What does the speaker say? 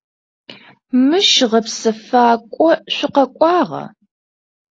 Мыщ гъэпсэфакӏо шъукъэкӏуагъа?